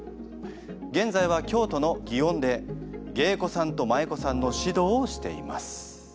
現在は京都の祗園で芸妓さんと舞妓さんの指導をしています。